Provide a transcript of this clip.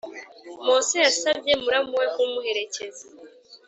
Mose yasabye muramu we kumuherekeza